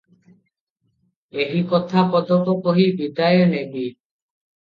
ଏହି କଥା ପଦକ କହି ବିଦାୟ ନେବି ।